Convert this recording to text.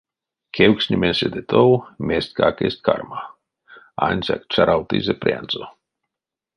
Кевкстнеме седе тов мезтькак эзь карма, ансяк чаравтызе прянзо.